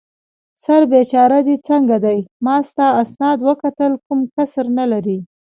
سر بېچاره دې څنګه دی؟ ما ستا اسناد وکتل، کوم کسر نه لرې.